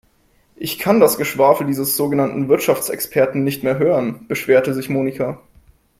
"Ich kann das Geschwafel dieses sogenannten Wirtschaftsexperten nicht mehr hören", beschwerte sich Monika.